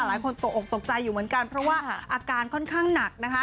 หลายคนตกออกตกใจอยู่เหมือนกันเพราะว่าอาการค่อนข้างหนักนะคะ